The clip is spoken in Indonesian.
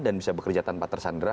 dan bisa bekerja tanpa tersandera